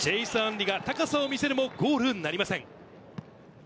チェイス・アンリが高さを見せるもゴールは決まりません。